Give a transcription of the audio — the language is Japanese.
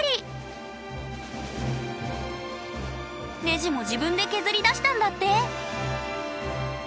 ネジも自分で削り出したんだって。